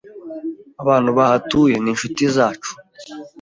Abantu bahatuye ni inshuti zacu.